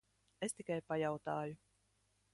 Es tikai pajautāju.